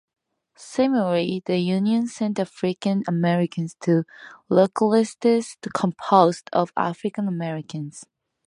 Similarly, the union sent African-Americans to localities composed of African-Americans.